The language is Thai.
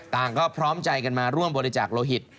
ก็พร้อมใจกันมาร่วมบริจาคโลหิต